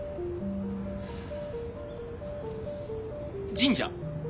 神社。